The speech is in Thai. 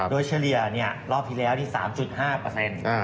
ด้วยเชลียรอบทีแล้วเปลี่ยวเป็น๓๕